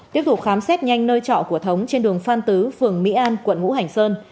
tiếp tục khám xét nhanh nơi trọ của thống trên đường phan tứ phường mỹ an quận ngũ hành sơn